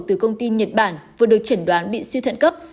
từ công ty nhật bản vừa được chẩn đoán bị suy thận cấp